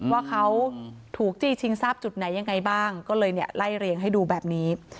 ว่าเขาถูกจี้ชิงทรัพย์จุดไหนยังไงบ้างก็เลยเนี่ยไล่เรียงให้ดูแบบนี้